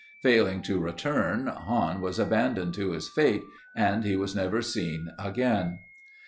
Failing to return Hahn was abandoned to his fate and he was never seen again.